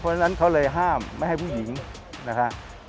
เพราะฉะนั้นเขาเลยห้ามไม่ให้ผู้หญิงนะครับ